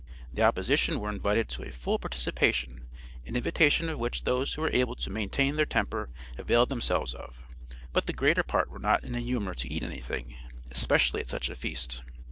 The opposition were invited to a full participation, an invitation of which those who were able to maintain their temper availed themselves of, but the greater part were not in a humor to eat anything especially at such a feast.